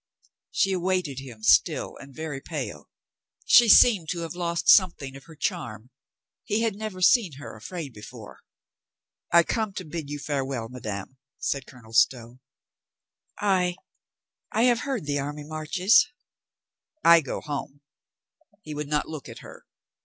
She awaited him, still and very pale. She seemed to have lost something of her charm. He had never seen her afraid before. "I come to bid you farewell, madame," said Colo nel Stow. "I — I have heard the army marches," "I go home." He would not look at her.